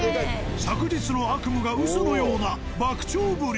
昨日の悪夢がうそのような爆釣ぶり。